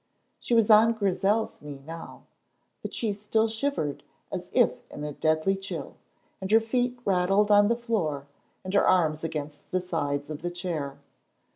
She was on Grizel's knee now, but she still shivered as if in a deadly chill, and her feet rattled on the floor, and her arms against the sides of the chair.